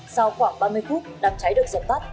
sau khoảng ba mươi phút đám cháy được dập tắt